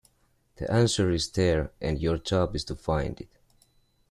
The answer is there, and your job is to find it.